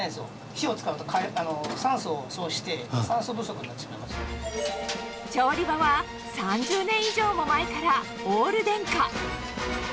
火を使うと酸素を消費して、調理場は３０年以上も前からオール電化。